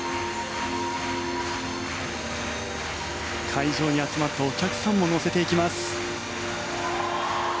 会場に集まったお客さんも乗せていきます。